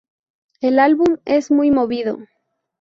El álbum es muy movido.